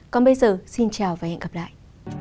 còn bây giờ xin chào và hẹn gặp lại